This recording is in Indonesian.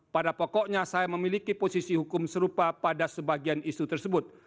pada pokoknya saya memiliki posisi hukum serupa pada sebagian isu tersebut